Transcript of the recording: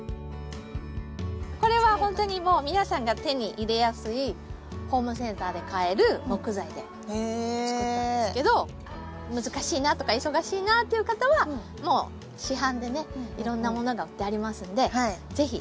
これはほんとにもう皆さんが手に入れやすいホームセンターで買える木材で作ったんですけど難しいなとか忙しいなっていう方はもう市販でねいろんなものが売ってありますので是非